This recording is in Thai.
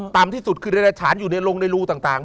ต่ำที่สุดคือเดรฉานอยู่ในโรงในรูต่าง